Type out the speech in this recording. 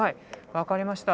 分かりました。